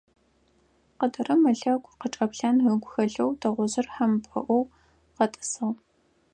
Къыдырым ылъэгу къычӀэплъэн ыгу хэлъэу тыгъужъыр хьампӀэloy къэтӀысыгъ.